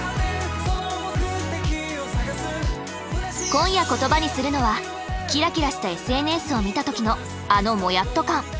今夜言葉にするのはキラキラしたＳＮＳを見た時のあのもやっと感。